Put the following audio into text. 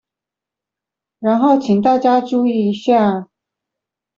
然後請大家注意一下